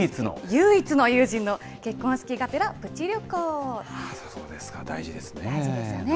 唯一の友人の結婚式がそうですか、大事ですね。